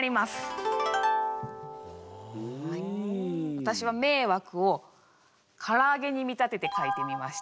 私は迷惑をからあげに見立てて書いてみました。